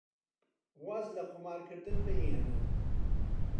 واز لە قومارکردن بهێنن.